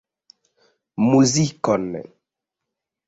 Muzikon.